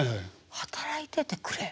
「働いててくれ？